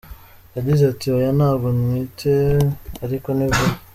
Yagize ati, “Oya ntabwo ntwite ariko ni vuba”.